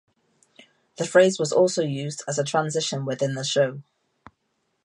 The phrase was also used as a transition within the show.